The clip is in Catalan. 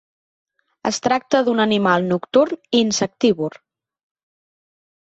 Es tracta d'un animal nocturn i insectívor.